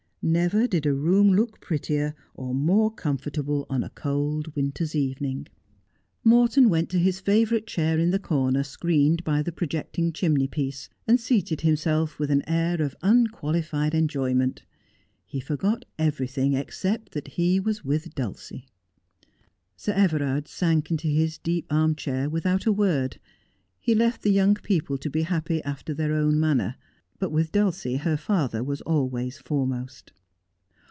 Never did a room look prettier, or more, comfortable on a cold winter evening. A Superior Woman. 65 Morton went to his favourite chair in the corner screened by the projecting chimney piece, and seated himself with an air of unqualified enjoyment. He forgot everything except that he was with Dulcie. Sir Everard sank into his deep arm chair without a word. He left the young people to be happy after their own manner. But with Dulcie her father was always foremost.